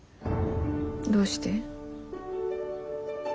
どうして？